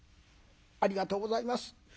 「ありがとうございます。